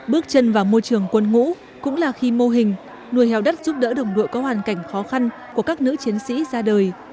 bước chân vào môi trường quân ngũ cũng là khi mô hình nuôi heo đất giúp đỡ đồng đội có hoàn cảnh khó khăn của các nữ chiến sĩ ra đời